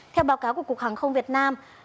theo báo cáo của cục hàng không việt nam